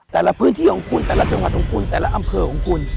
แต่ละพื้นที่ของคุณแต่ละจังหวัดของคุณแต่ละอำเภอของคุณ